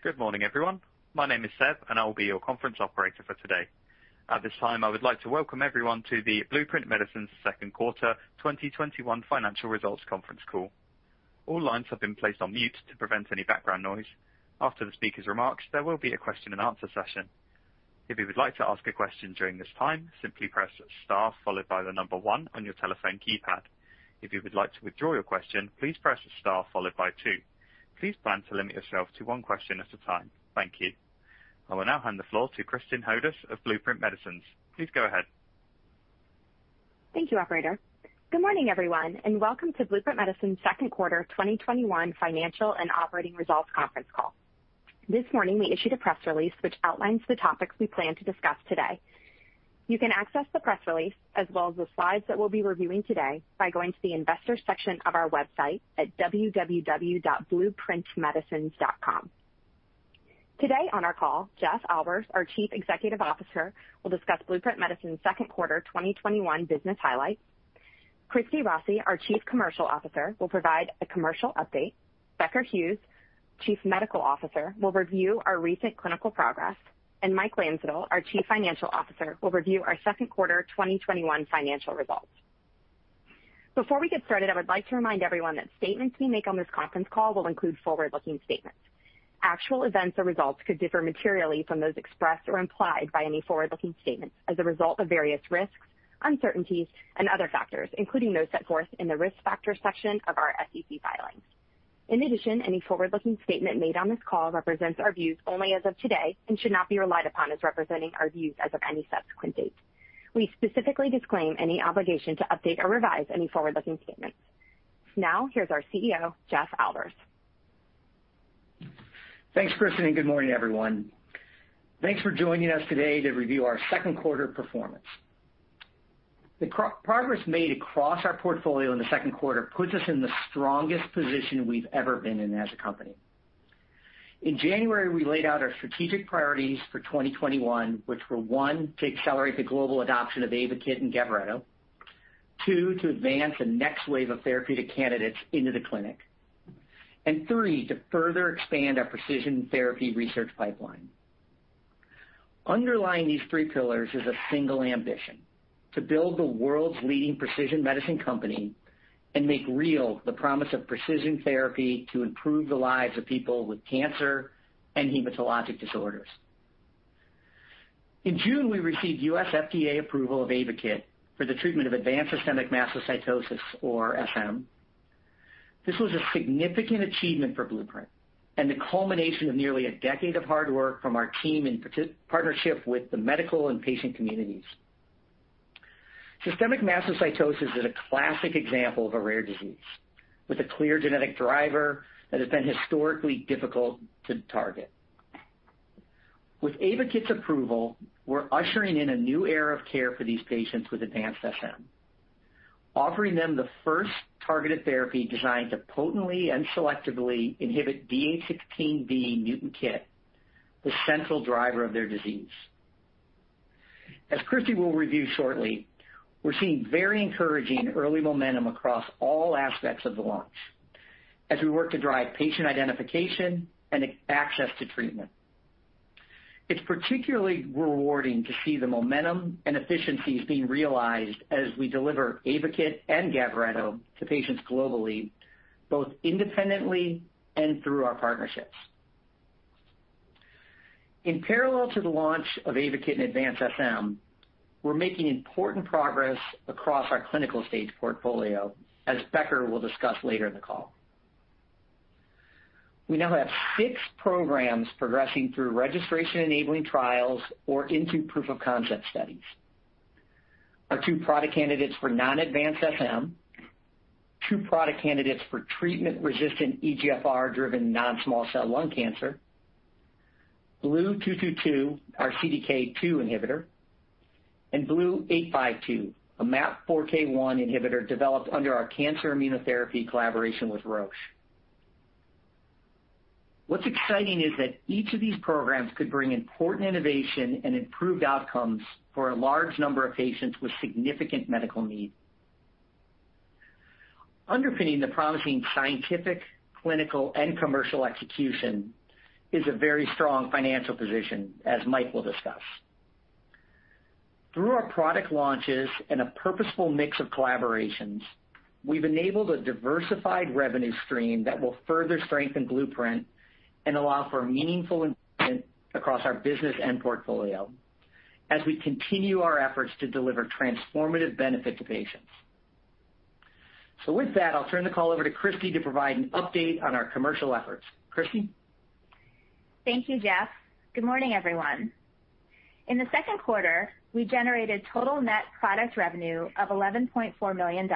Good morning, everyone. My name is Seb, and I will be your conference operator for today. At this time, I would like to welcome everyone to the Blueprint Medicines second quarter 2021 financial results conference call. Thank you. I will now hand the floor to Kristin Hodous of Blueprint Medicines. Please go ahead. Thank you, operator. Good morning, everyone, and welcome to Blueprint Medicines' second quarter 2021 financial and operating results conference call. This morning we issued a press release which outlines the topics we plan to discuss today. You can access the press release as well as the slides that we'll be reviewing today by going to the investors section of our website at www.blueprintmedicines.com. Today on our call, Jeff Albers, our Chief Executive Officer, will discuss Blueprint Medicines' second quarter 2021 business highlights. Christina Rossi, our Chief Commercial Officer, will provide a commercial update. Becker Hewes, Chief Medical Officer, will review our recent clinical progress, and Mike Landsittel, our Chief Financial Officer, will review our second quarter 2021 financial results. Before we get started, I would like to remind everyone that statements we make on this conference call will include forward-looking statements. Actual events or results could differ materially from those expressed or implied by any forward-looking statements as a result of various risks, uncertainties, and other factors, including those set forth in the risk factor section of our SEC filings. In addition, any forward-looking statement made on this call represents our views only as of today and should not be relied upon as representing our views as of any subsequent date. We specifically disclaim any obligation to update or revise any forward-looking statements. Now, here's our CEO, Jeff Albers. Thanks, Kristin, Good morning, everyone. Thanks for joining us today to review our second quarter performance. The progress made across our portfolio in the second quarter puts us in the strongest position we've ever been in as a company. In January, we laid out our strategic priorities for 2021, which were, one, to accelerate the global adoption of AYVAKIT and GAVRETO, two, to advance the next wave of therapeutic candidates into the clinic, three, to further expand our precision therapy research pipeline. Underlying these three pillars is a single ambition, to build the world's leading precision medicine company and make real the promise of precision therapy to improve the lives of people with cancer and hematologic disorders. In June, we received U.S. FDA approval of AYVAKIT for the treatment of advanced systemic mastocytosis, or SM. This was a significant achievement for Blueprint and the culmination of nearly a decade of hard work from our team in partnership with the medical and patient communities. Systemic mastocytosis is a classic example of a rare disease with a clear genetic driver that has been historically difficult to target. With AYVAKIT's approval, we're ushering in a new era of care for these patients with advanced SM. Offering them the first targeted therapy designed to potently and selectively inhibit D816V mutant KIT, the central driver of their disease. As Christie will review shortly, we're seeing very encouraging early momentum across all aspects of the launch as we work to drive patient identification and access to treatment. It's particularly rewarding to see the momentum and efficiencies being realized as we deliver AYVAKIT and GAVRETO to patients globally, both independently and through our partnerships. In parallel to the launch of AYVAKIT and advanced SM, we're making important progress across our clinical-stage portfolio, as Becker will discuss later in the call. We now have six programs progressing through registration-enabling trials or into proof-of-concept studies. Our two product candidates for non-advanced SM, two product candidates for treatment-resistant EGFR-driven non-small cell lung cancer, BLU-222, our CDK2 inhibitor, and BLU-852, a MAP4K1 inhibitor developed under our cancer immunotherapy collaboration with Roche. What's exciting is that each of these programs could bring important innovation and improved outcomes for a large number of patients with significant medical needs. Underpinning the promising scientific, clinical, and commercial execution is a very strong financial position, as Mike will discuss. Through our product launches and a purposeful mix of collaborations, we've enabled a diversified revenue stream that will further strengthen Blueprint and allow for meaningful investment across our business and portfolio as we continue our efforts to deliver transformative benefit to patients. With that, I'll turn the call over to Christie to provide an update on our commercial efforts. Christie? Thank you, Jeff. Good morning, everyone. In the second quarter, we generated total net product revenue of $11.4 million,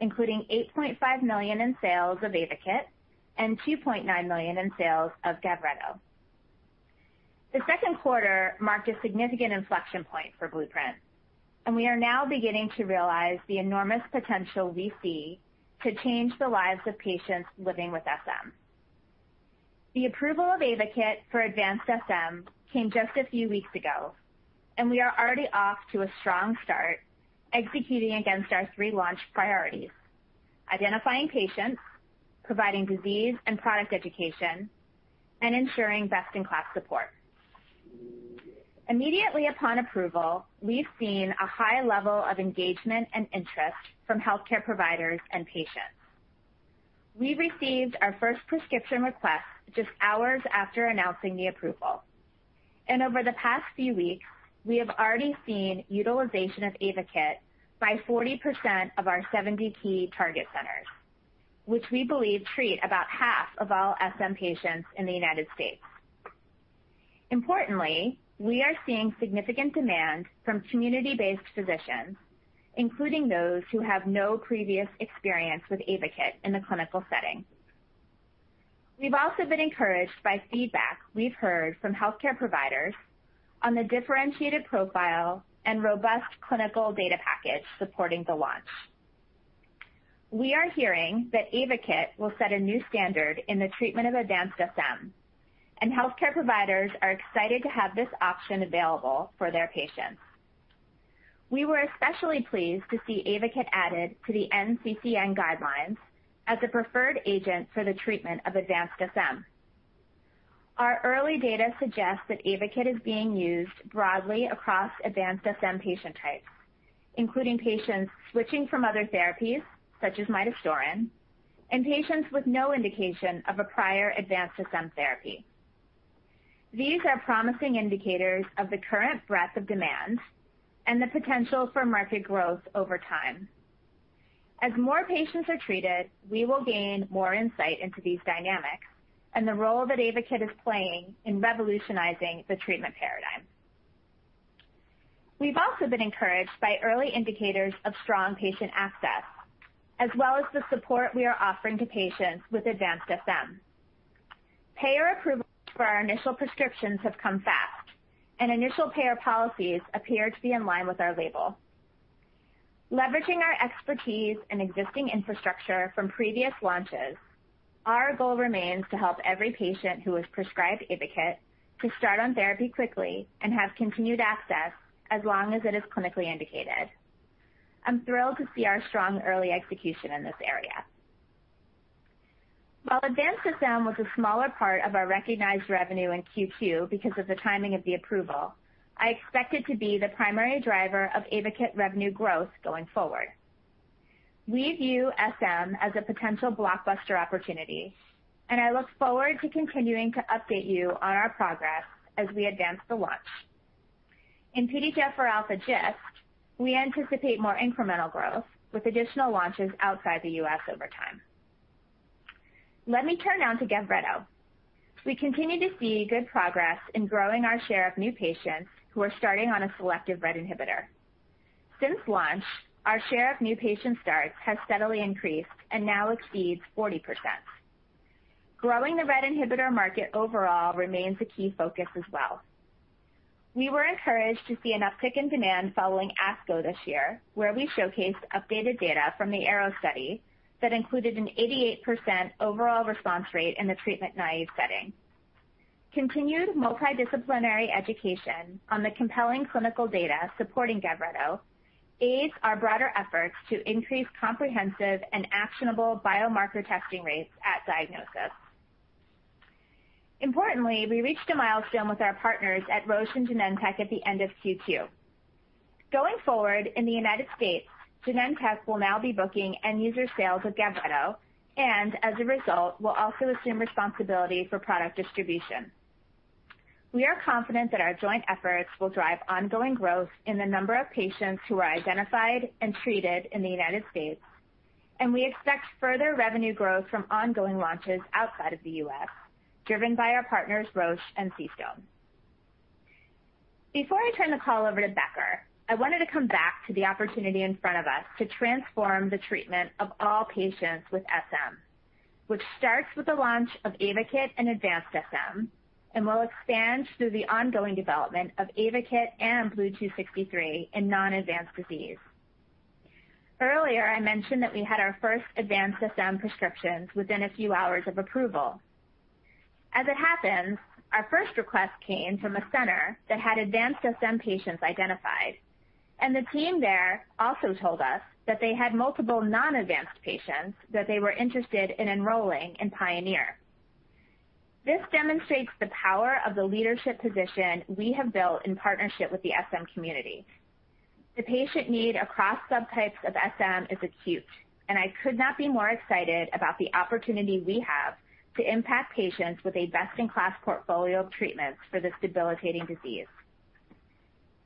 including $8.5 million in sales of AYVAKIT and $2.9 million in sales of GAVRETO. The second quarter marked a significant inflection point for Blueprint, and we are now beginning to realize the enormous potential we see to change the lives of patients living with SM. The approval of AYVAKIT for advanced SM came just a few weeks ago. We are already off to a strong start executing against our three launch priorities: identifying patients, providing disease and product education, and ensuring best-in-class support. Immediately upon approval, we've seen a high level of engagement and interest from healthcare providers and patients. We received our first prescription request just hours after announcing the approval, and over the past few weeks, we have already seen utilization of AYVAKIT by 40% of our 70 key target centers, which we believe treat about half of all SM patients in the United States. Importantly, we are seeing significant demand from community-based physicians, including those who have no previous experience with AYVAKIT in the clinical setting. We've also been encouraged by feedback we've heard from healthcare providers on the differentiated profile and robust clinical data package supporting the launch. We are hearing that AYVAKIT will set a new standard in the treatment of advanced SM, and healthcare providers are excited to have this option available for their patients. We were especially pleased to see AYVAKIT added to the NCCN guidelines as the preferred agent for the treatment of advanced SM. Our early data suggests that AYVAKIT is being used broadly across advanced SM patient types, including patients switching from other therapies such as midostaurin and patients with no indication of a prior advanced SM therapy. These are promising indicators of the current breadth of demand and the potential for market growth over time. As more patients are treated, we will gain more insight into these dynamics and the role that AYVAKIT is playing in revolutionizing the treatment paradigm. We've also been encouraged by early indicators of strong patient access, as well as the support we are offering to patients with advanced SM. Payer approval for our initial prescriptions have come fast, and initial payer policies appear to be in line with our label. Leveraging our expertise and existing infrastructure from previous launches, our goal remains to help every patient who is prescribed AYVAKIT to start on therapy quickly and have continued access as long as it is clinically indicated. I'm thrilled to see our strong early execution in this area. While advanced SM was a smaller part of our recognized revenue in Q2 because of the timing of the approval, I expect it to be the primary driver of AYVAKIT revenue growth going forward. We view SM as a potential blockbuster opportunity, and I look forward to continuing to update you on our progress as we advance the launch. In PDGFRA GIST, we anticipate more incremental growth with additional launches outside the U.S. over time. Let me turn now to GAVRETO. We continue to see good progress in growing our share of new patients who are starting on a selective RET inhibitor. Since launch, our share of new patient starts has steadily increased and now exceeds 40%. Growing the RET inhibitor market overall remains a key focus as well. We were encouraged to see an uptick in demand following ASCO this year, where we showcased updated data from the ARROW study that included an 88% overall response rate in the treatment-naive setting. Continued multidisciplinary education on the compelling clinical data supporting GAVRETO aids our broader efforts to increase comprehensive and actionable biomarker testing rates at diagnosis. Importantly, we reached a milestone with our partners at Roche and Genentech at the end of Q2. Going forward, in the United States, Genentech will now be booking end-user sales of GAVRETO and as a result, will also assume responsibility for product distribution. We are confident that our joint efforts will drive ongoing growth in the number of patients who are identified and treated in the United States, and we expect further revenue growth from ongoing launches outside of the U.S., driven by our partners Roche and CStone. Before I turn the call over to Becker, I wanted to come back to the opportunity in front of us to transform the treatment of all patients with SM, which starts with the launch of AYVAKIT in advanced SM and will expand through the ongoing development of AYVAKIT and BLU-263 in non-advanced disease. Earlier, I mentioned that we had our first advanced SM prescriptions within a few hours of approval. As it happens, our first request came from a center that had advanced SM patients identified, and the team there also told us that they had multiple non-advanced patients that they were interested in enrolling in PIONEER. This demonstrates the power of the leadership position we have built in partnership with the SM community. The patient need across subtypes of SM is acute. I could not be more excited about the opportunity we have to impact patients with a best-in-class portfolio of treatments for this debilitating disease.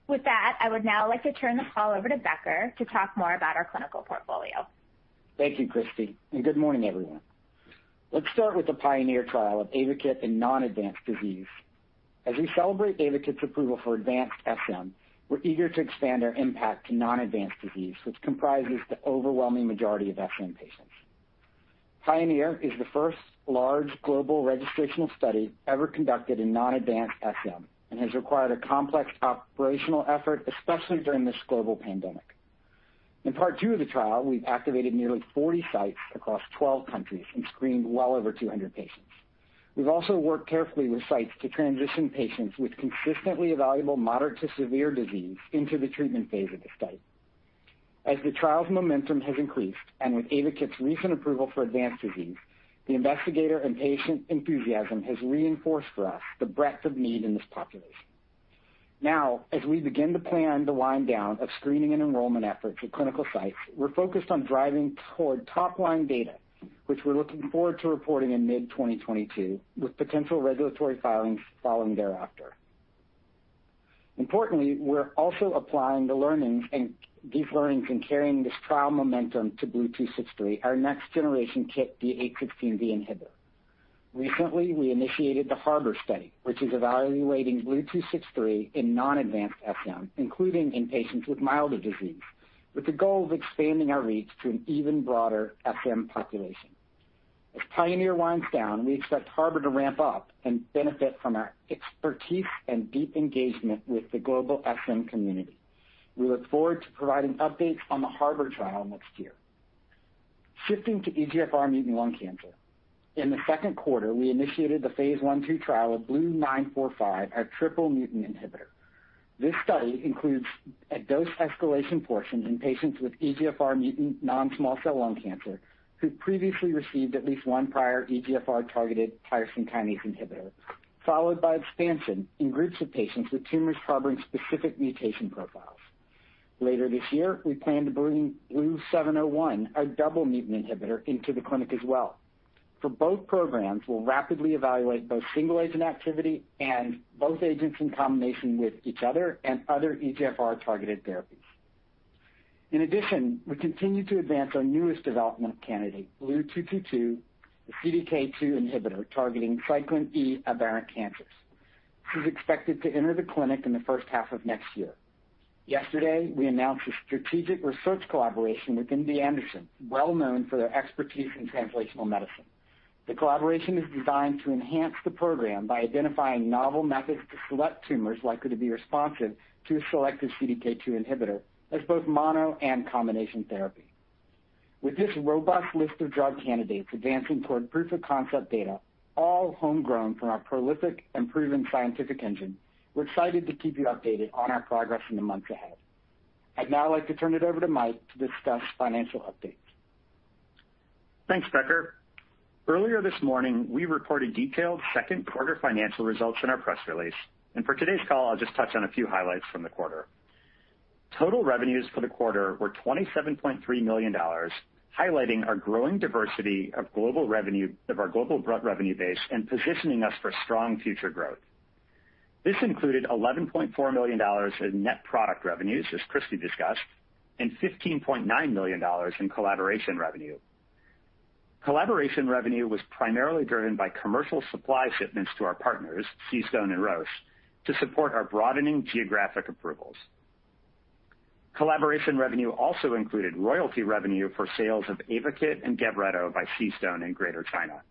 With that, I would now like to turn the call over to Becker to talk more about our clinical portfolio. Thank you, Christie. Good morning, everyone. Let's start with the PIONEER trial of AYVAKIT in non-advanced disease. As we celebrate AYVAKIT's approval for advanced SM, we're eager to expand our impact to non-advanced disease, which comprises the overwhelming majority of SM patients. PIONEER is the first large global registrational study ever conducted in non-advanced SM and has required a complex operational effort, especially during this global pandemic. In part II of the trial, we've activated nearly 40 sites across 12 countries and screened well over 200 patients. We've also worked carefully with sites to transition patients with consistently evaluable moderate to severe disease into the treatment phase of the study. As the trial's momentum has increased, and with AYVAKIT's recent approval for advanced disease, the investigator and patient enthusiasm has reinforced for us the breadth of need in this population. As we begin to plan the wind down of screening and enrollment efforts at clinical sites, we're focused on driving toward top-line data, which we're looking forward to reporting in mid-2022, with potential regulatory filings following thereafter. Importantly, we're also applying these learnings in carrying this trial momentum to BLU-263, our next-generation KIT/PDGFRA inhibitor. Recently, we initiated the HARBOR study, which is evaluating BLU-263 in non-advanced SM, including in patients with milder disease, with the goal of expanding our reach to an even broader SM population. As PIONEER winds down, we expect HARBOR to ramp up and benefit from our expertise and deep engagement with the global SM community. We look forward to providing updates on the HARBOR trial next year. Shifting to EGFR mutant lung cancer. In the second quarter, we initiated the phase I/II trial of BLU-945, our triple mutant inhibitor. This study includes a dose escalation portion in patients with EGFR mutant non-small cell lung cancer who previously received at least one prior EGFR-targeted tyrosine kinase inhibitor, followed by expansion in groups of patients with tumors harboring specific mutation profiles. Later this year, we plan to bring BLU-701, our double mutant inhibitor, into the clinic as well. For both programs, we will rapidly evaluate both single agent activity and both agents in combination with each other and other EGFR-targeted therapies. In addition, we continue to advance our newest development candidate, BLU-222, a CDK2 inhibitor targeting cyclin E aberrant cancers. This is expected to enter the clinic in the first half of next year. Yesterday, we announced a strategic research collaboration with MD Anderson, well known for their expertise in translational medicine. The collaboration is designed to enhance the program by identifying novel methods to select tumors likely to be responsive to a selective CDK2 inhibitor as both mono and combination therapy. With this robust list of drug candidates advancing toward proof of concept data, all homegrown from our prolific and proven scientific engine, we're excited to keep you updated on our progress in the months ahead. I'd now like to turn it over to Mike to discuss financial updates. Thanks, Becker. Earlier this morning, we reported detailed second quarter financial results in our press release, and for today's call, I'll just touch on a few highlights from the quarter. Total revenues for the quarter were $27.3 million, highlighting our growing diversity of our global broad revenue base and positioning us for strong future growth. This included $11.4 million in net product revenues, as Christie discussed, and $15.9 million in collaboration revenue. Collaboration revenue was primarily driven by commercial supply shipments to our partners, CStone and Roche, to support our broadening geographic approvals. Collaboration revenue also included royalty revenue for sales of AYVAKIT and GAVRETO by CStone in Greater China.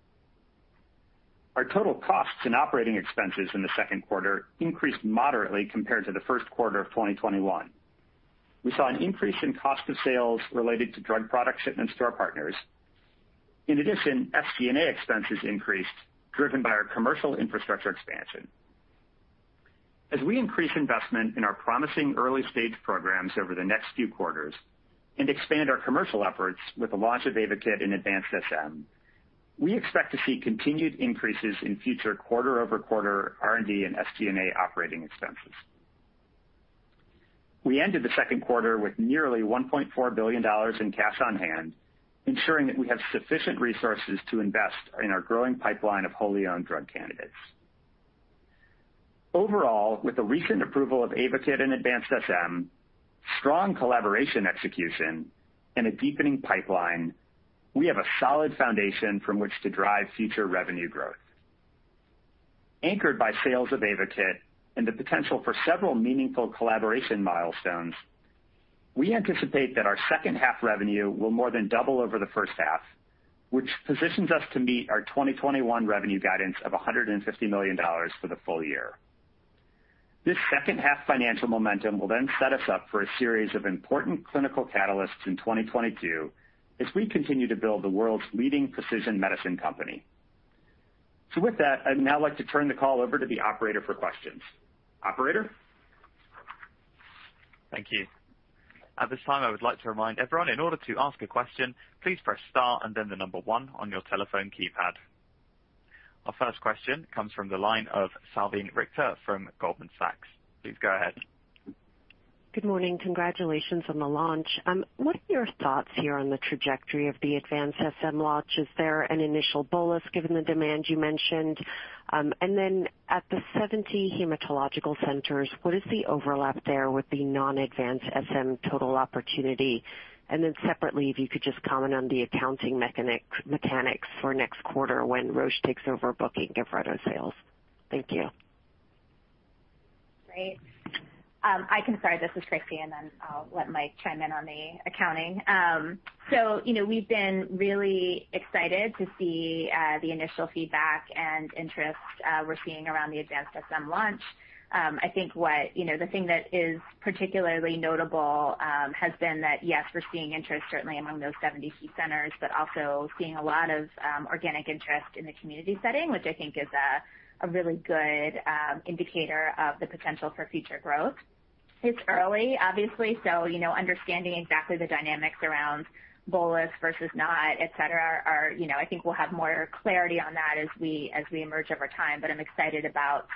Our total costs and operating expenses in the second quarter increased moderately compared to the first quarter of 2021. We saw an increase in cost of sales related to drug product shipments to our partners. In addition, SG&A expenses increased, driven by our commercial infrastructure expansion. As we increase investment in our promising early-stage programs over the next few quarters and expand our commercial efforts with the launch of AYVAKIT in advanced SM, we expect to see continued increases in future quarter-over-quarter R&D and SG&A operating expenses. We ended the second quarter with nearly $1.4 billion in cash on hand, ensuring that we have sufficient resources to invest in our growing pipeline of wholly-owned drug candidates. Overall, with the recent approval of AYVAKIT in advanced SM, strong collaboration execution, and a deepening pipeline, we have a solid foundation from which to drive future revenue growth. Anchored by sales of AYVAKIT and the potential for several meaningful collaboration milestones, we anticipate that our second half revenue will more than double over the first half, which positions us to meet our 2021 revenue guidance of $150 million for the full year. This second half financial momentum will then set us up for a series of important clinical catalysts in 2022 as we continue to build the world's leading precision medicine company. With that, I'd now like to turn the call over to the operator for questions. Operator? Thank you. At this time, I would like to remind everyone, in order to ask a question, please press star and then the number one on your telephone keypad. Our first question comes from the line of Salveen Richter from Goldman Sachs. Please go ahead. Good morning. Congratulations on the launch. What are your thoughts here on the trajectory of the advanced SM launch? Is there an initial bolus given the demand you mentioned? At the 70 hematological centers, what is the overlap there with the non-advanced SM total opportunity? Separately, if you could just comment on the accounting mechanics for next quarter when Roche takes over booking GAVRETO sales. Thank you. Great. I can start. This is Christina, and then I'll let Mike chime in on the accounting. We've been really excited to see the initial feedback and interest we're seeing around the advanced SM launch. I think the thing that is particularly notable has been that, yes, we're seeing interest certainly among those 70 key centers, but also seeing a lot of organic interest in the community setting, which I think is a really good indicator of the potential for future growth. It's early, obviously, so understanding exactly the dynamics around bolus versus not, et cetera, I think we'll have more clarity on that as we emerge over time. I'm excited about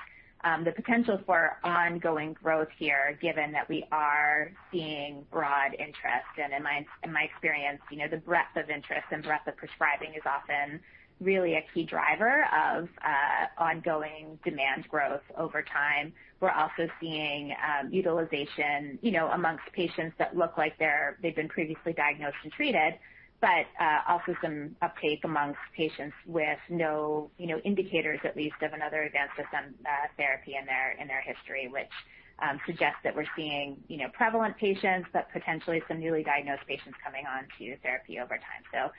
the potential for ongoing growth here, given that we are seeing broad interest. In my experience, the breadth of interest and breadth of prescribing is often really a key driver of ongoing demand growth over time. We're also seeing utilization amongst patients that look like they've been previously diagnosed and treated, but also some uptake amongst patients with no indicators, at least, of another advanced SM therapy in their history, which suggests that we're seeing prevalent patients, but potentially some newly diagnosed patients coming onto therapy over time.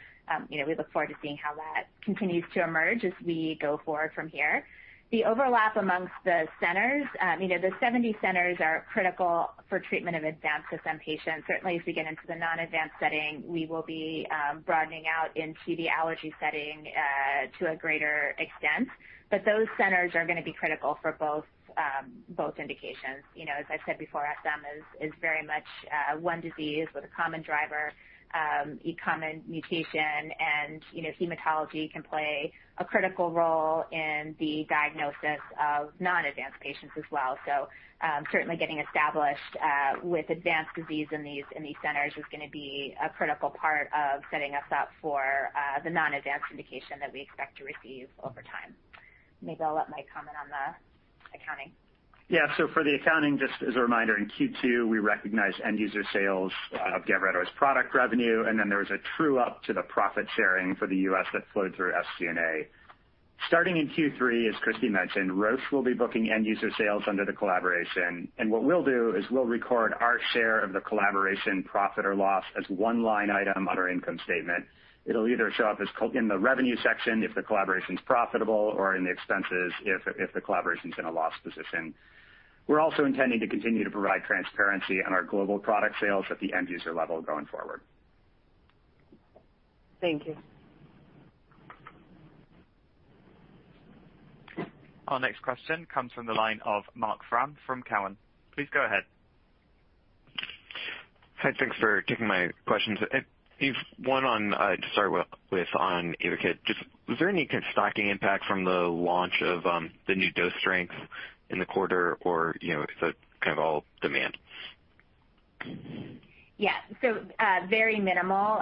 We look forward to seeing how that continues to emerge as we go forward from here. The overlap amongst the centers. The 70 centers are critical for treatment of advanced SM patients. Certainly, as we get into the non-advanced setting, we will be broadening out into the allergy setting to a greater extent. Those centers are going to be critical for both indications. As I've said before, SM is very much one disease with a common driver, a common mutation, and hematology can play a critical role in the diagnosis of non-advanced patients as well. Certainly getting established with advanced disease in these centers is going to be a critical part of setting us up for the non-advanced indication that we expect to receive over time. Maybe I'll let Mike comment on the accounting. For the accounting, just as a reminder, in Q2, we recognized end-user sales of GAVRETO as product revenue, and then there was a true-up to the profit-sharing for the U.S. that flowed through SG&A. Starting in Q3, as Christina mentioned, Roche will be booking end-user sales under the collaboration. What we'll do is we'll record our share of the collaboration profit or loss as one line item on our income statement. It'll either show up in the revenue section if the collaboration's profitable or in the expenses if the collaboration's in a loss position. We're also intending to continue to provide transparency on our global product sales at the end-user level going forward. Thank you. Our next question comes from the line of Marc Frahm from Cowen. Please go ahead. Hi, thanks for taking my questions. To start with, on AYVAKIT. Just, was there any kind of stocking impact from the launch of the new dose strengths in the quarter or is it kind of all demand? Yeah. Very minimal.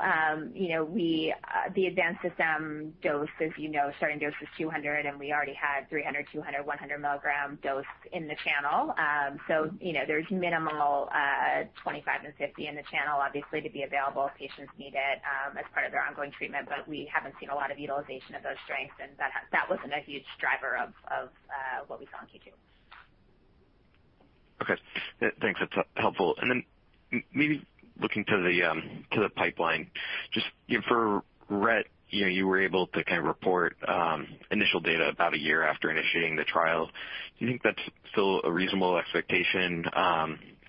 The advanced SM dose, as you know, starting dose is 200 mg, and we already had 300, 200, 100 mg dose in the channel. There's minimal 25 mg and 50 mg in the channel, obviously, to be available if patients need it as part of their ongoing treatment. We haven't seen a lot of utilization of those strengths, and that wasn't a huge driver of what we saw in Q2. Okay. Thanks, that's helpful. Then maybe looking to the pipeline. Just for RET, you were able to report initial data about one year after initiating the trial. Do you think that's still a reasonable expectation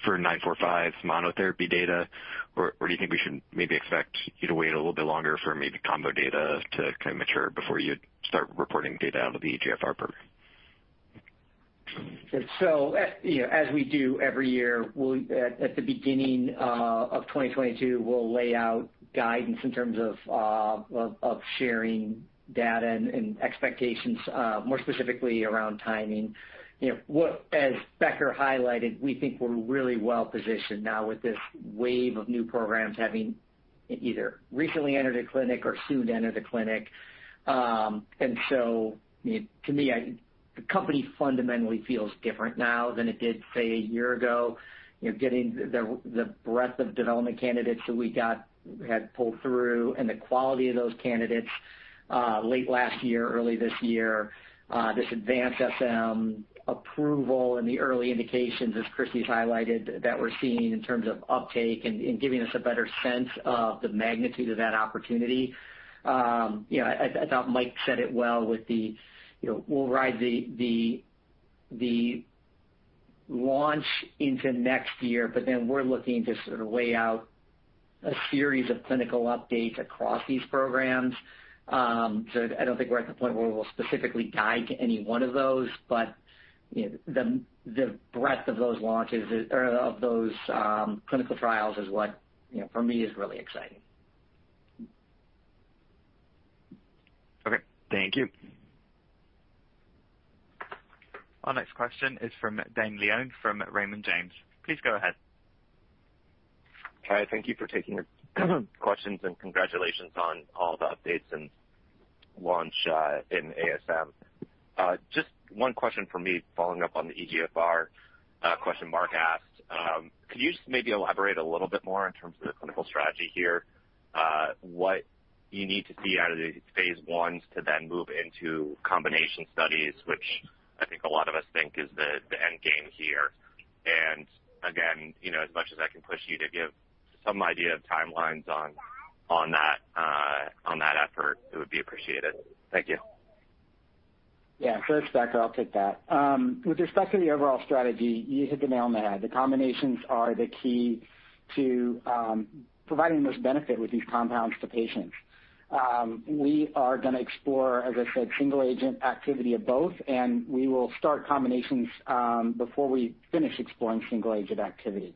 for 945 monotherapy data, or do you think we should maybe expect you to wait a little bit longer for maybe combo data to mature before you start reporting data out of the EGFR program? As we do every year, at the beginning of 2022, we'll lay out guidance in terms of sharing data and expectations, more specifically around timing. As Becker highlighted, we think we're really well-positioned now with this wave of new programs having either recently entered a clinic or soon to enter the clinic. To me, the company fundamentally feels different now than it did, say, a year ago. Getting the breadth of development candidates that we had pulled through and the quality of those candidates late last year, early this year. This advanced SM approval and the early indications, as Christie's highlighted, that we're seeing in terms of uptake and giving us a better sense of the magnitude of that opportunity. I thought Mike said it well with the, we'll ride the launch into next year, but then we're looking to sort of lay out a series of clinical updates across these programs. I don't think we're at the point where we'll specifically guide to any one of those, but the breadth of those clinical trials is what, for me, is really exciting. Okay. Thank you. Our next question is from Dane Leone from Raymond James. Please go ahead. Hi, thank you for taking questions, and congratulations on all the updates and launch in ASM. Just one question from me following up on the EGFR question Marc asked. Could you just maybe elaborate a little bit more in terms of the clinical strategy here? What you need to see out of the phase I to then move into combination studies, which I think a lot of us think is the end game here. Again, as much as I can push you to give some idea of timelines on that effort, it would be appreciated. Thank you. Yeah. It's Becker, I'll take that. With respect to the overall strategy, you hit the nail on the head. The combinations are the key to providing the most benefit with these compounds to patients. We are going to explore, as I said, single agent activity of both, and we will start combinations before we finish exploring single agent activity.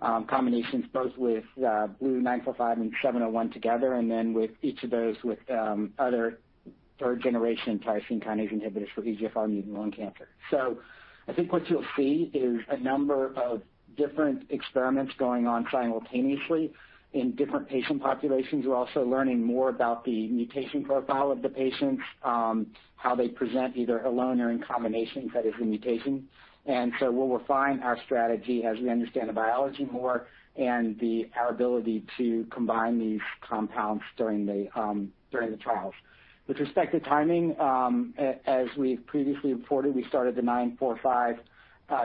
Combinations both with BLU-945 and BLU-701 together, and then with each of those with other third generation tyrosine kinase inhibitors for EGFR mutant lung cancer. I think what you'll see is a number of different experiments going on simultaneously in different patient populations. We're also learning more about the mutation profile of the patients, how they present either alone or in combination, that is the mutation. We'll refine our strategy as we understand the biology more and our ability to combine these compounds during the trials. With respect to timing, as we've previously reported, we started the BLU-945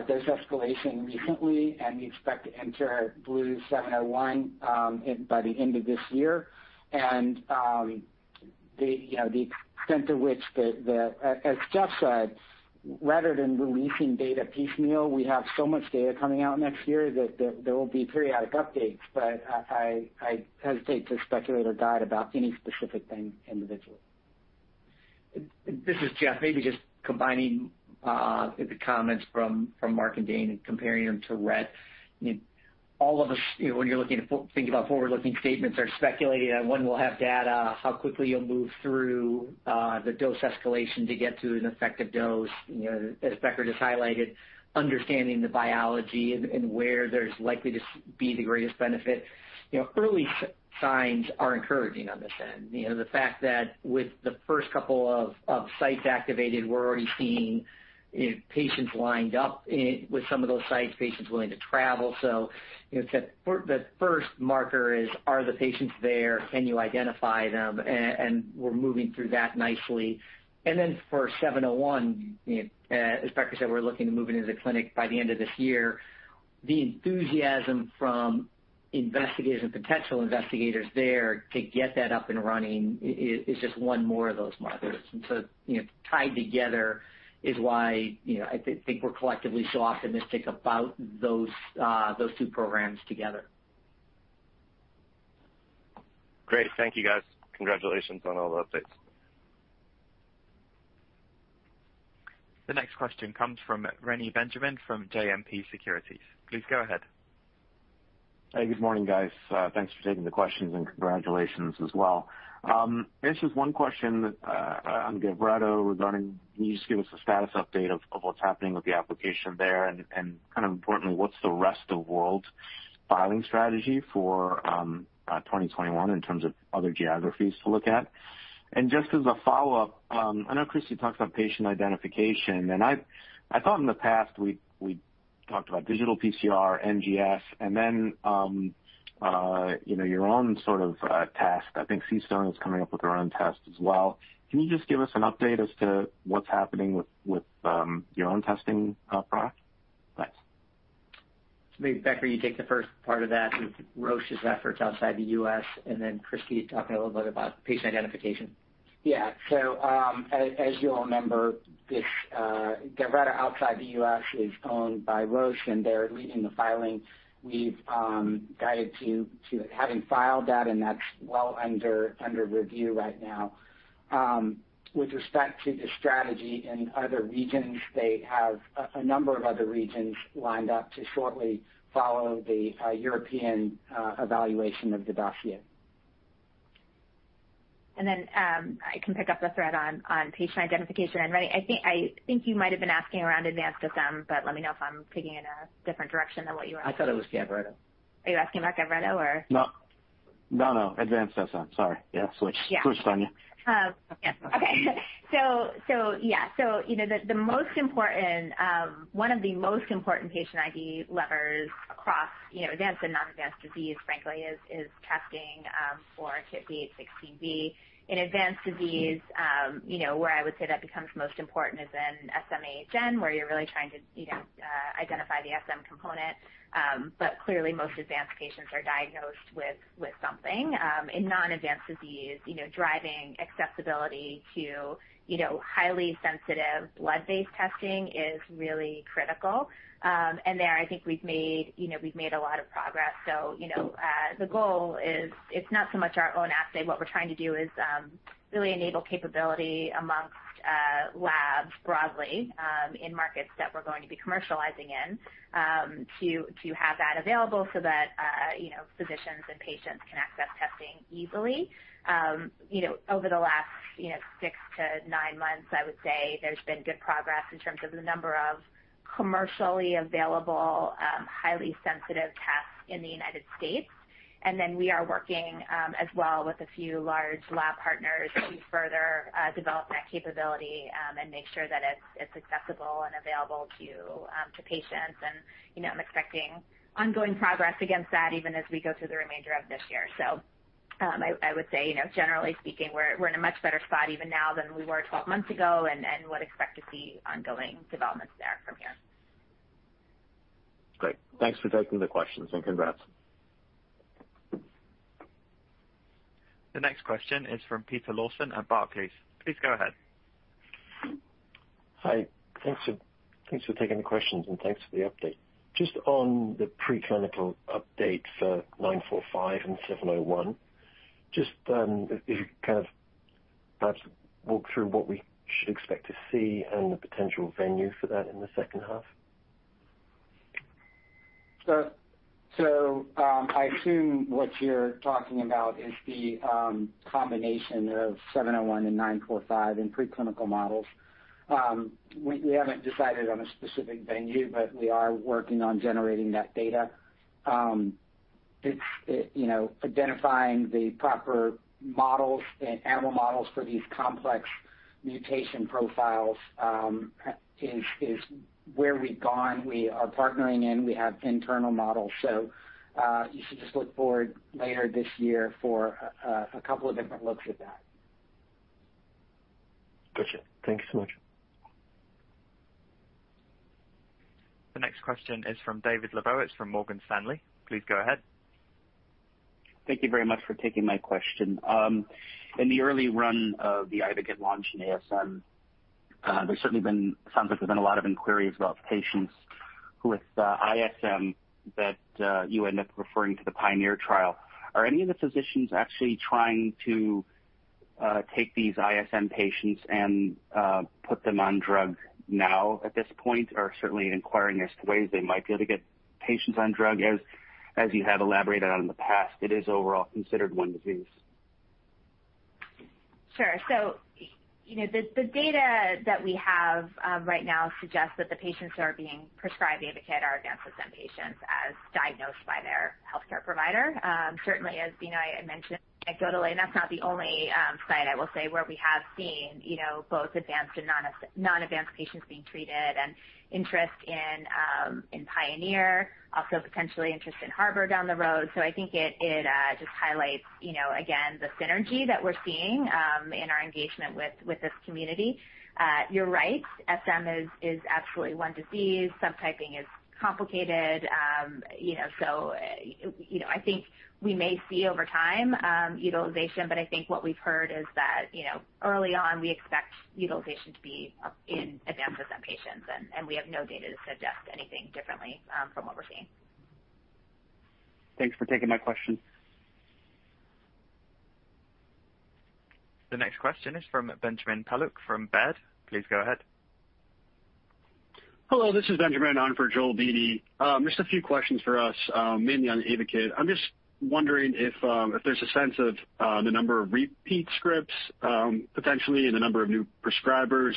dose escalation recently, and we expect to enter BLU-701 by the end of this year. The extent to which, as Jeff said, rather than releasing data piecemeal, we have so much data coming out next year that there will be periodic updates, but I hesitate to speculate or guide about any specific thing individually. This is Jeff. Maybe just combining the comments from Marc and Dane and comparing them to RET. All of us, when you're thinking about forward-looking statements are speculating on when we'll have data, how quickly you'll move through the dose escalation to get to an effective dose, as Becker just highlighted, understanding the biology and where there's likely to be the greatest benefit. Early signs are encouraging on this end. The fact that with the first couple of sites activated, we're already seeing patients lined up with some of those sites, patients willing to travel. The first marker is, are the patients there? Can you identify them? We're moving through that nicely. Then for BLU-701, as Becker said, we're looking to move into the clinic by the end of this year. The enthusiasm from investigators and potential investigators there to get that up and running is just one more of those markers. Tied together is why I think we're collectively so optimistic about those two programs together. Great. Thank you, guys. Congratulations on all the updates. The next question comes from Reni Benjamin from JMP Securities. Please go ahead. Hey, good morning, guys. Thanks for taking the questions and congratulations as well. I guess just one question on GAVRETO regarding, can you just give us a status update of what's happening with the application there and kind of importantly, what's the rest of world filing strategy for 2021 in terms of other geographies to look at? Just as a follow-up, I know Christie talks about patient identification and I thought in the past we talked about digital PCR, NGS, and then your own sort of test. I think CStone is coming up with their own test as well. Can you just give us an update as to what's happening with your own testing product? Thanks. Maybe Becker, you take the first part of that with Roche's efforts outside the U.S. and then Christie talking a little bit about patient identification. Yeah. As you'll remember, GAVRETO outside the U.S. is owned by Roche and they're leading the filing. We've guided to having filed that and that's well under review right now. With respect to the strategy in other regions, they have a number of other regions lined up to shortly follow the European evaluation of GAVRETO. I can pick up the thread on patient identification. Reni, I think you might've been asking around advanced SM, but let me know if I'm thinking in a different direction than what you were. I thought it was GAVRETO. Are you asking about GAVRETO? No. Advanced SM, sorry. Yeah, switched on you. Yeah. Okay. One of the most important patient ID levers across advanced and non-advanced disease, frankly, is testing for D816V. In advanced disease where I would say that becomes most important is in SM-AHN, where you're really trying to identify the SM component. Clearly most advanced patients are diagnosed with something. In non-advanced disease, driving accessibility to highly sensitive blood-based testing is really critical. There, I think we've made a lot of progress. The goal is it's not so much our own assay. What we're trying to do is really enable capability amongst labs broadly, in markets that we're going to be commercializing in, to have that available so that physicians and patients can access testing easily. Over the last six to nine months, I would say there's been good progress in terms of the number of commercially available, highly sensitive tests in the United States, we are working as well with a few large lab partners to further develop that capability, and make sure that it's accessible and available to patients. I'm expecting ongoing progress against that even as we go through the remainder of this year. I would say, generally speaking, we're in a much better spot even now than we were 12 months ago and would expect to see ongoing developments there from here. Great. Thanks for taking the questions. Congrats. The next question is from Peter Lawson at Barclays. Please go ahead. Hi. Thanks for taking the questions, and thanks for the update. Just on the preclinical updates for BLU-945 and BLU-701, if you could perhaps walk through what we should expect to see and the potential venue for that in the second half. I assume what you're talking about is the combination of BLU-701 and BLU-945 in preclinical models. We haven't decided on a specific venue, but we are working on generating that data. Identifying the proper models and animal models for these complex mutation profiles is where we've gone. We are partnering, and we have internal models. You should just look forward later this year for a couple of different looks at that. Got you. Thank you so much. The next question is from David Lebowitz from Morgan Stanley. Please go ahead. Thank you very much for taking my question. In the early run of the AYVAKIT launch in ASM, there certainly sounds like there's been a lot of inquiries about patients with ISM that you end up referring to the PIONEER. Are any of the physicians actually trying to take these ISM patients and put them on drug now at this point, certainly inquiring as to ways they might be able to get patients on drug, as you have elaborated on in the past, it is overall considered one disease? Sure. The data that we have right now suggests that the patients who are being prescribed AYVAKIT are advanced SM-AHN patients as diagnosed by their healthcare provider. Certainly, as I mentioned anecdotally, that's not the only site, I will say, where we have seen both advanced and non-advanced patients being treated and interest in PIONEER, also potentially interest in HARBOR down the road. I think it just highlights, again, the synergy that we're seeing in our engagement with this community. You're right, SM is absolutely one disease. Subtyping is complicated. I think we may see over time utilization, but I think what we've heard is that early on, we expect utilization to be in advanced SM-AHN patients, and we have no data to suggest anything differently from what we're seeing. Thanks for taking my question. The next question is from Benjamin Paluch from Baird. Please go ahead. Hello, this is Benjamin on for Joel Beatty. Just a few questions for us, mainly on AYVAKIT. I'm just wondering if there's a sense of the number of repeat scripts potentially and the number of new prescribers.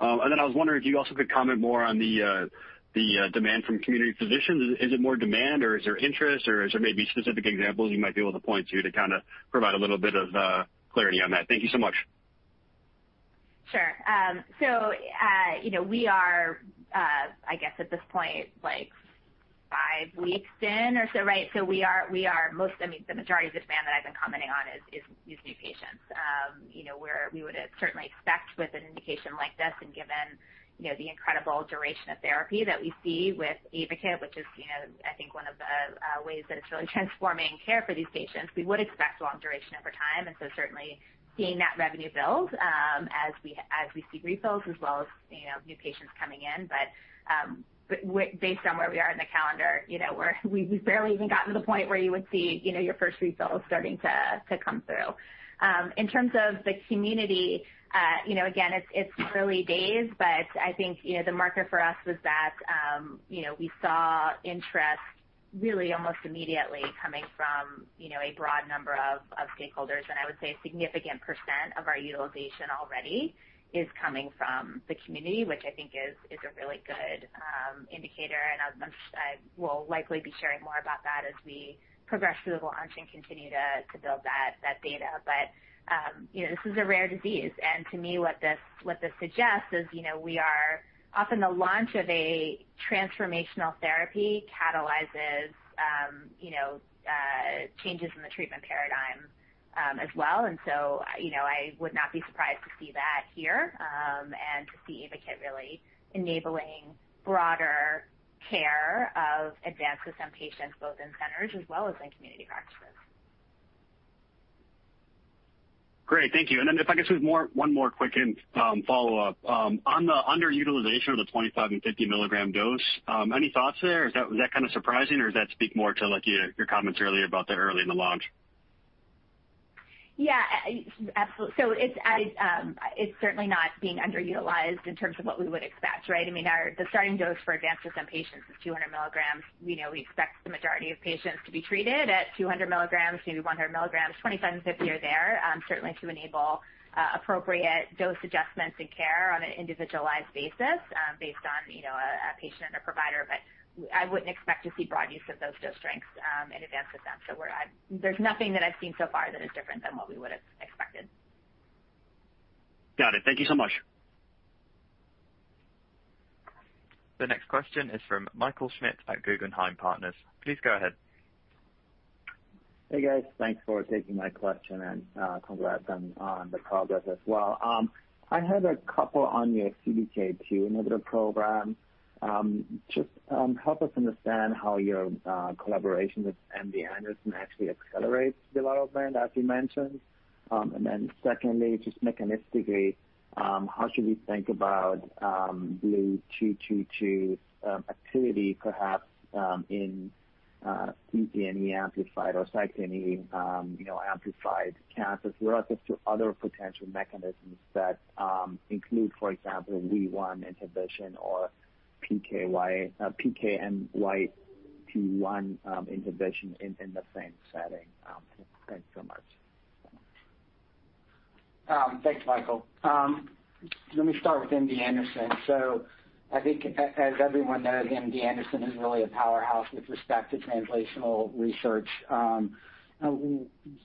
Then I was wondering if you also could comment more on the demand from community physicians. Is it more demand, or is there interest, or is there maybe specific examples you might be able to point to to kind of provide a little bit of clarity on that? Thank you so much. Sure. We are, I guess at this point, five weeks in or so, right? The majority of demand that I've been commenting on is these new patients where we would certainly expect with an indication like this and given the incredible duration of therapy that we see with AYVAKIT, which is I think one of the ways that it's really transforming care for these patients. We would expect long duration over time, certainly seeing that revenue build as we see refills as well as new patients coming in. Based on where we are in the calendar, we've barely even gotten to the point where you would see your first refills starting to come through. In terms of the community, again, it's early days, I think the marker for us was that we saw interest really almost immediately coming from a broad number of stakeholders. I would say a significant percent of our utilization already is coming from the community, which I think is a really good indicator. I will likely be sharing more about that as we progress through the launch and continue to build that data. This is a rare disease, and to me, what this suggests is often the launch of a transformational therapy catalyzes changes in the treatment paradigm as well. I would not be surprised to see that here and to see AYVAKIT really enabling broader care of advanced ASM patients, both in centers as well as in community practices. Great. Thank you. If I could squeeze one more quick follow-up. On the underutilization of the 25 mg and 50 mg dose, any thoughts there? Is that kind of surprising, or does that speak more to your comments earlier about the early in the launch? Yeah. Absolutely. It's certainly not being underutilized in terms of what we would expect, right? The starting dose for advanced SM-AHN patients is 200 mg. We know we expect the majority of patients to be treated at 200 mg, maybe 100 mg. 25 mg and 50 mg are there certainly to enable appropriate dose adjustments and care on an individualized basis based on a patient and a provider. I wouldn't expect to see broad use of those dose strengths in advanced SM-AHN. There's nothing that I've seen so far that is different than what we would've expected. Got it. Thank you so much. The next question is from Michael Schmidt at Guggenheim Partners. Please go ahead. Hey, guys. Thanks for taking my question and congrats on the progress as well. I had a couple on your CDK2 inhibitor program. Help us understand how your collaboration with MD Anderson actually accelerates development, as you mentioned. Secondly, mechanistically, how should we think about BLU-222 activity, perhaps, in PD-L1 amplified or cyclin E amplified cancers relative to other potential mechanisms that include, for example, WEE1 inhibition or PKMYT1 inhibition in the same setting? Thanks so much. Thanks, Michael. I think as everyone knows, MD Anderson is really a powerhouse with respect to translational research.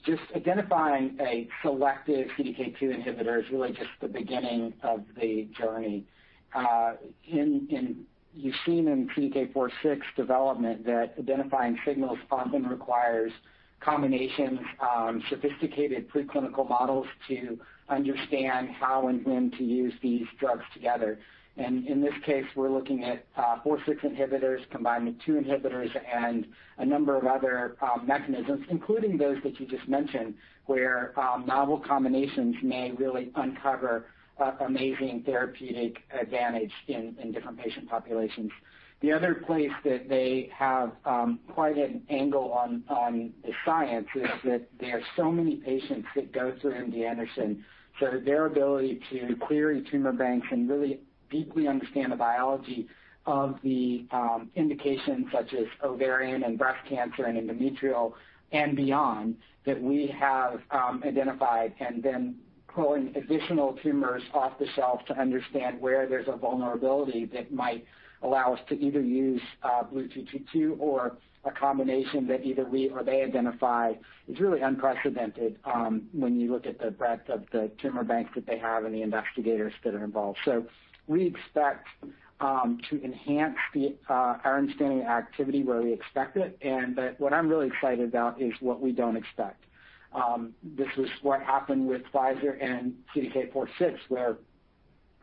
Just identifying a selective CDK2 inhibitor is really just the beginning of the journey. You've seen in CDK4/6 development that identifying signals often requires combinations, sophisticated preclinical models to understand how and when to use these drugs together. In this case, we're looking at four, six inhibitors combined with two inhibitors and a number of other mechanisms, including those that you just mentioned, where novel combinations may really uncover amazing therapeutic advantage in different patient populations. The other place that they have quite an angle on the science is that there are so many patients that go through MD Anderson. Their ability to query tumor banks and really deeply understand the biology of the indications such as ovarian and breast cancer and endometrial and beyond that we have identified and then pulling additional tumors off the shelf to understand where there's a vulnerability that might allow us to either use BLU-222 or a combination that either we or they identify is really unprecedented when you look at the breadth of the tumor banks that they have and the investigators that are involved. We expect to enhance our understanding of activity where we expect it. What I'm really excited about is what we don't expect. This was what happened with Pfizer and CDK4/6, where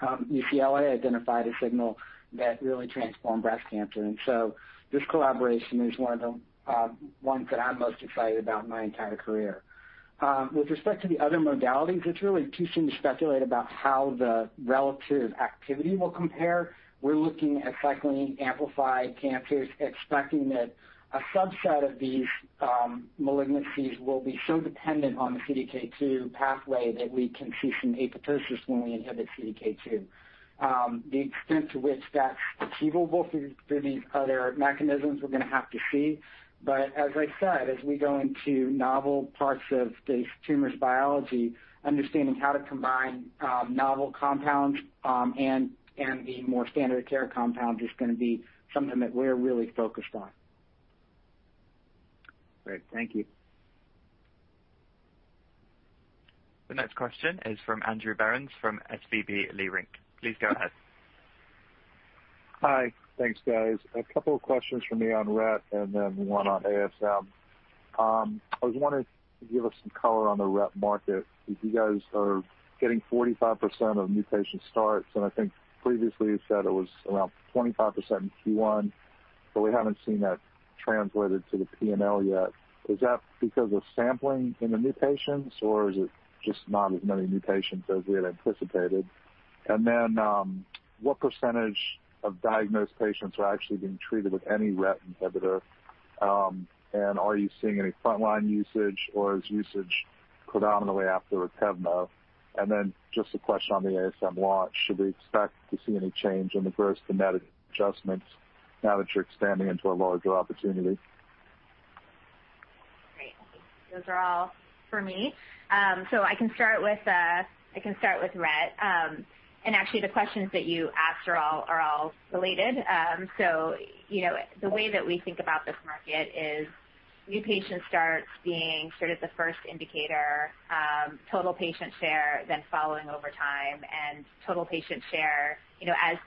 UCLA identified a signal that really transformed breast cancer. This collaboration is one of the ones that I'm most excited about in my entire career. With respect to the other modalities, it's really too soon to speculate about how the relative activity will compare. We're looking at cyclin E amplified cancers, expecting that a subset of these malignancies will be so dependent on the CDK2 pathway that we can see some apoptosis when we inhibit CDK2. The extent to which that's achievable through these other mechanisms, we're going to have to see. As I said, as we go into novel parts of these tumors' biology, understanding how to combine novel compounds and the more standard care compounds is going to be something that we're really focused on. Great. Thank you. The next question is from Andrew Berens from SVB Leerink. Please go ahead. Hi. Thanks, guys. A couple of questions for me on RET and then one on ASM. I was wondering if you could give us some color on the RET market, if you guys are getting 45% of new patient starts, and I think previously you said it was around 25% in Q1, but we haven't seen that translated to the P&L yet. Is that because of sampling in the new patients, or is it just not as many new patients as we had anticipated? What percentage of diagnosed patients are actually being treated with any RET inhibitor? Are you seeing any frontline usage, or is usage predominantly after Retevmo? Just a question on the ASM launch. Should we expect to see any change in the gross-to-net adjustments now that you're expanding into a larger opportunity? Great. Those are all for me. I can start with RET. The questions that you asked are all related. The way that we think about this market is new patient starts being sort of the first indicator, total patient share then following over time, and total patient share. As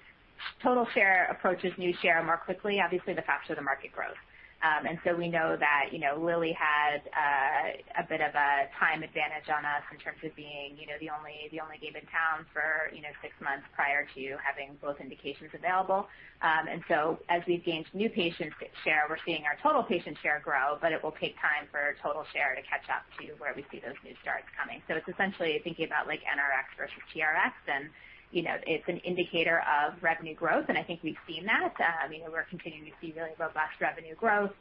total share approaches new share more quickly, obviously the faster the market grows. We know that Lilly had a bit of a time advantage on us in terms of being the only game in town for six months prior to having both indications available. As we've gained new patient share, we're seeing our total patient share grow, but it will take time for total share to catch up to where we see those new starts coming. It's essentially thinking about NRx versus TRx, and it's an indicator of revenue growth, and I think we've seen that. We're continuing to see really robust revenue growth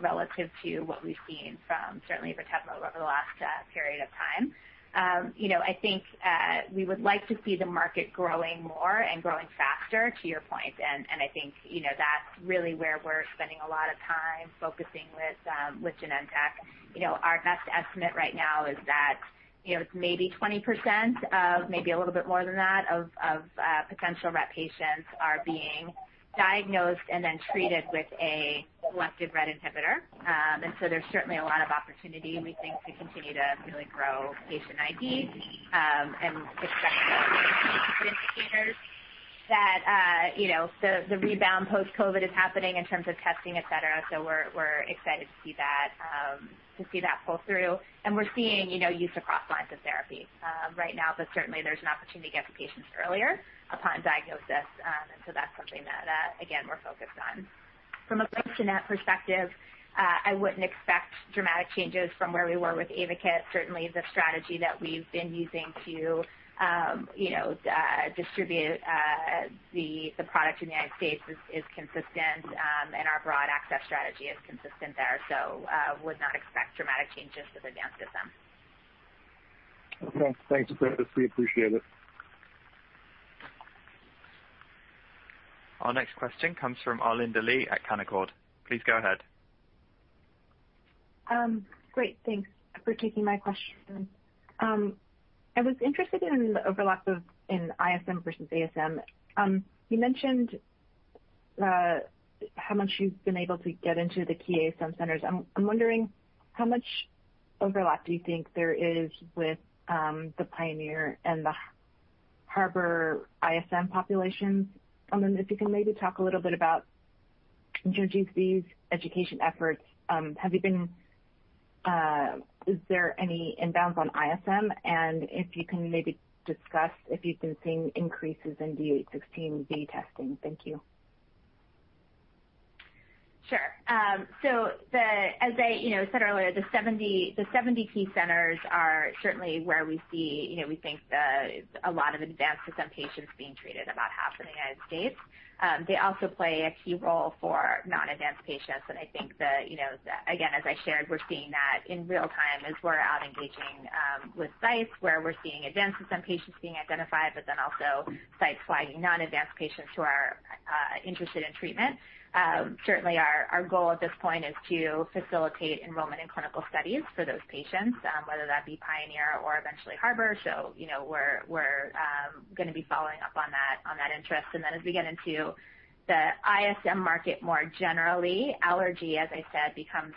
relative to what we've seen from certainly Retevmo over the last period of time. I think we would like to see the market growing more and growing faster, to your point, and I think that's really where we're spending a lot of time focusing with Genentech. Our best estimate right now is that it's maybe 20%, maybe a little bit more than that, of potential RET patients are being diagnosed and then treated with a selective RET inhibitor. There's certainly a lot of opportunity, we think, to continue to really grow patient ID and discuss the indicators that the rebound post-COVID is happening in terms of testing, et cetera. We're excited to see that pull through. We're seeing use across lines of therapy right now, but certainly there's an opportunity to get to patients earlier upon diagnosis. That's something that, again, we're focused on. From a gross-to-net perspective, I wouldn't expect dramatic changes from where we were with AYVAKIT. Certainly, the strategy that we've been using to distribute the product in the United States is consistent, and our broad access strategy is consistent there. Would not expect dramatic changes to the dance to them. Okay. Thanks, Albers. We appreciate it. Our next question comes from Arlinda Lee at Canaccord. Please go ahead. Great. Thanks for taking my question. I was interested in the overlap in ISM versus ASM. You mentioned how much you've been able to get into the key ASM centers. I'm wondering how much overlap do you think there is with the PIONEER and the HARBOR ISM populations? Then if you can maybe talk a little bit about disease's education efforts. Is there any inbounds on ISM? If you can maybe discuss if you've been seeing increases in D816V testing. Thank you. Sure. As I said earlier, the 70 key centers are certainly where we think a lot of advanced SM patients being treated, about half in the United States. They also play a key role for non-advanced patients, and I think, again, as I shared, we're seeing that in real-time as we're out engaging with sites where we're seeing advanced SM patients being identified, but then also sites flagging non-advanced patients who are interested in treatment. Certainly, our goal at this point is to facilitate enrollment in clinical studies for those patients, whether that be PIONEER or eventually HARBOR. We're going to be following up on that interest. As we get into the ISM market more generally, allergy, as I said, becomes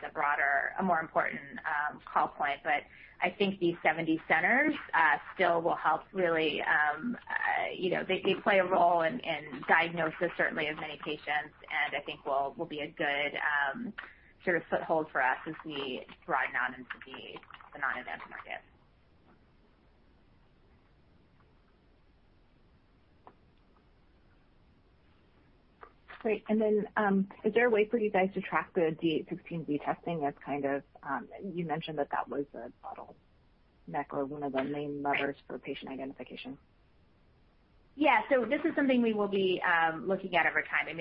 a more important call point. I think these 70 centers still will help really. They play a role in diagnosis, certainly of many patients, and I think will be a good sort of foothold for us as we broaden out into the non-advanced market. Great. Is there a way for you guys to track the D816V testing as kind of, you mentioned that was a bottleneck or one of the main levers for patient identification? Yeah. This is something we will be looking at over time.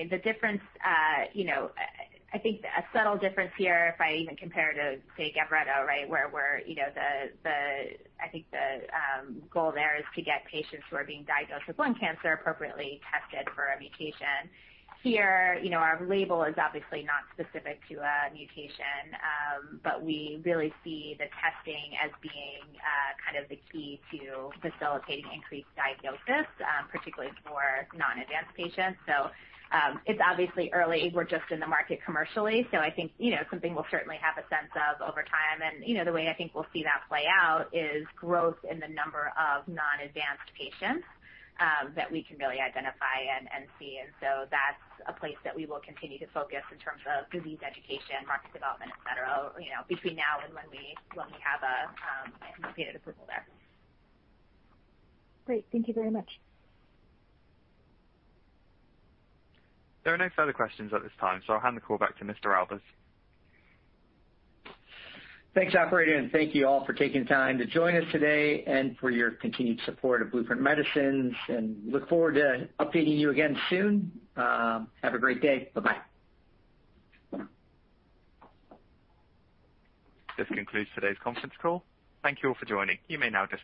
I think a subtle difference here, if I even compare to, say, GAVRETO, right? Where I think the goal there is to get patients who are being diagnosed with lung cancer appropriately tested for a mutation. Here, our label is obviously not specific to a mutation, but we really see the testing as being kind of the key to facilitating increased diagnosis, particularly for non-advanced patients. It's obviously early. We're just in the market commercially, so I think something we'll certainly have a sense of over time. The way I think we'll see that play out is growth in the number of non-advanced patients that we can really identify and see. That's a place that we will continue to focus in terms of disease education, market development, et cetera, between now and when we have an indicated approval there. Great. Thank you very much. There are no further questions at this time, so I'll hand the call back to Mr. Albers. Thanks, operator. Thank you all for taking time to join us today and for your continued support of Blueprint Medicines. Look forward to updating you again soon. Have a great day. Bye-bye. This concludes today's conference call. Thank you all for joining. You may now disconnect.